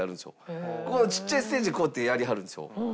ここのちっちゃいステージでこうやってやりはるんですよ。